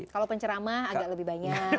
kalau penceramah agak lebih banyak